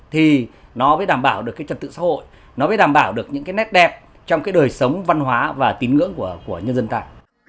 thì nó mới đảm bảo được cái trật tự xã hội nó mới đảm bảo được những cái nét đẹp trong cái đời sống văn hóa và tín ngưỡng của nhân dân ta